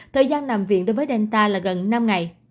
thời gian nằm viện đối với delta là gần năm ngày